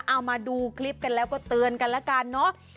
เอามาดูคลิปกันแล้วก็เตือนกันแล้วกันเนอะ